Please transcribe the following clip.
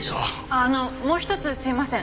あのもう一つすいません。